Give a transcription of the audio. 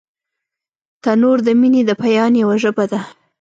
تنور د مینې د بیان یوه ژبه ده